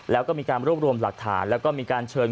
แล้วก็มีการรวบรวมหลักฐานแล้วก็มีการเชิญ